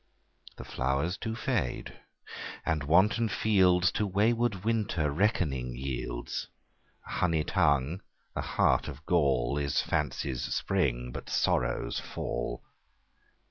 The flowers do fade, and wanton fields To wayward winter reckoning yields: A honey tongue, a heart of gall, Is fancy's spring, but sorrow's fall.